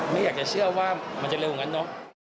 ไม่อยากจะเชื่อว่ามันจะเร็วอย่างนั้นเนอะ